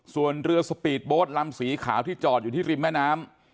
ส่วนเรือสปีดโบสต์ลำสีขาวที่จอดอยู่ที่ริมแม่น้ำ